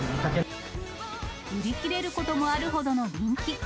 売り切れることもあるほどの人気。